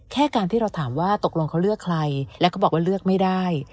แค่การที่เราถามว่าตกลงเขาเลือกใครและเขาบอกว่าเลือกไม่ได้